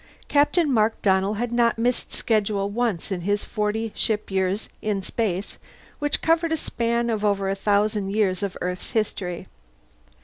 Captain Mark Donnell had not missed schedule once in his forty ship years in space, which covered a span of over a thousand years of Earth's history.